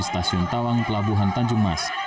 stasiun tawang pelabuhan tanjung mas